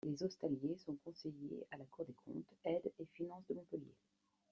Les Hostalier sont conseillers à la Cour des Comptes, Aides et Finances de Montpellier.